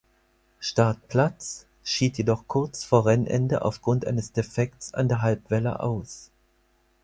Startplatz, schied jedoch kurz vor Rennende aufgrund eines Defekts an der Halbwelle aus.